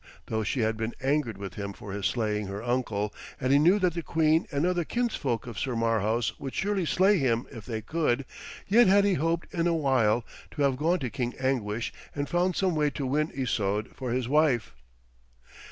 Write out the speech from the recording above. Though she had been angered with him for his slaying her uncle, and he knew that the queen and other kinsfolk of Sir Marhaus would surely slay him if they could, yet had he hoped in a while to have gone to King Anguish and found some way to win Isoude for his wife.